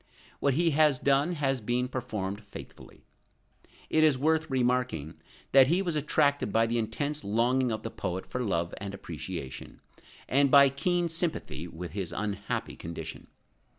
What he has done, has been performed faithfully. It is worth remarking that he was attracted by the intense longing of the poet for love and appreciation, and by keen sympathy with his unhappy condition.